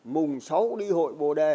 mùng sáu đi hội bồ đề